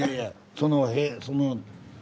その塀その。